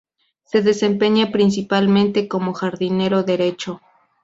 Se desempeña principalmente como jardinero derecho.